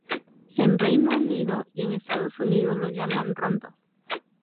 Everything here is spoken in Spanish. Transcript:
En Reino Unido y en Estados Unidos lo llaman Rondo.